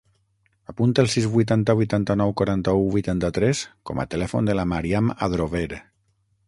Apunta el sis, vuitanta, vuitanta-nou, quaranta-u, vuitanta-tres com a telèfon de la Maryam Adrover.